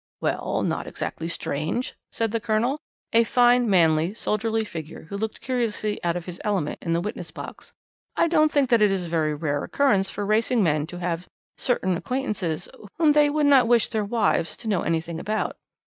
"'Well, not exactly strange,' said the Colonel, a fine, manly, soldierly figure who looked curiously out of his element in the witness box. 'I don't think that it is a very rare occurrence for racing men to have certain acquaintances whom they would not wish their wives to know anything about.'